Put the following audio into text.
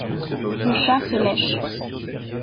Le chat se lèche.